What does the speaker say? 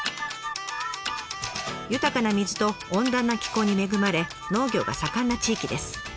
豊かな水と温暖な気候に恵まれ農業が盛んな地域です。